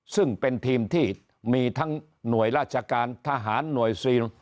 ซึ่งเป็นทีมที่มีทั้งหน่วยราชการทหารหน่วยซีน